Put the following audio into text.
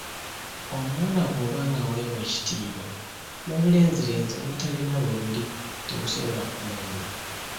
Omuwala bw'oba nga weewa ekitiibwa, n'obulenzirenzi obutalina bwe buli tebusola kukumanyiira.